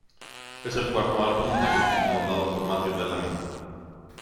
Es el cuarto álbum del grupo comandado por Matthew Bellamy.